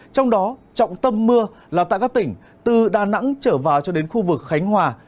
trong đó trọng tâm mưa là tại các tỉnh từ đà nẵng trở vào cho đến khu vực khánh hòa